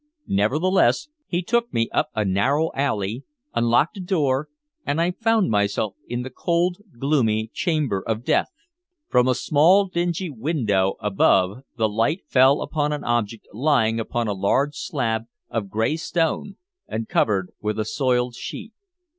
Nevertheless, he took me up a narrow alley, unlocked a door, and I found myself in the cold, gloomy chamber of death. From a small dingy window above the light fell upon an object lying upon a large slab of gray stone and covered with a soiled sheet.